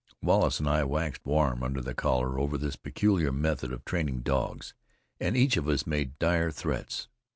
Wallace and I waxed warm under the collar over this peculiar method of training dogs, and each of us made dire threats.